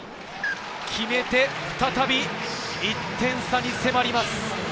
決めて、再び一点差に迫ります。